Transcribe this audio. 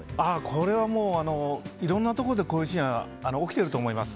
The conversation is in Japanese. これはもう、いろんなところでこういうシーンが起きてると思います。